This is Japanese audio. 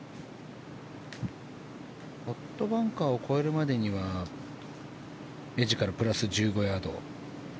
ポットバンカーを越えるまでには目地からプラス１５ヤード。